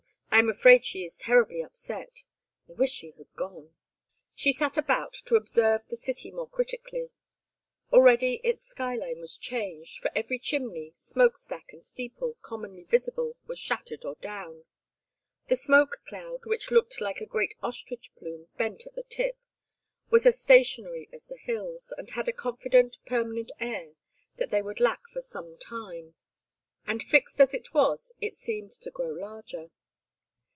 I am afraid she is terribly upset. I wish she had gone." She sat about, to observe the city more critically. Already its sky line was changed, for every chimney, smokestack, and steeple, commonly visible, was shattered or down. The smoke cloud, which looked like a great ostrich plume bent at the tip, was as stationary as the hills, and had a confident permanent air that they would lack for some time. And fixed as it was it seemed to grow larger.